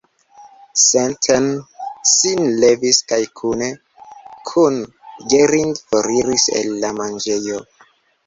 Stetten sin levis kaj kune kun Gering foriris el la manĝejo.